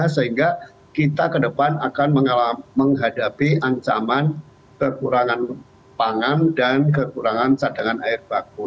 sehingga kita ke depan akan menghadapi ancaman kekurangan pangan dan kekurangan cadangan air baku